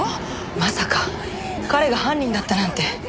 まさか彼が犯人だったなんて。